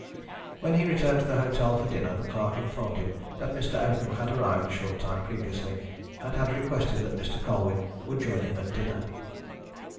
When he returned to the hotel for dinner the clerk informed him that Mr. Oakham had arrived a short time previously, and had requested that Mr. Colwyn would join him at dinner.